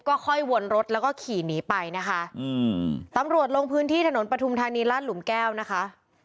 ก็ค่อยวนรถแล้วก็ขี่หนีไปนะคะอืมตำรวจลงพื้นที่ถนนปฐุมธานีลาดหลุมแก้วนะคะ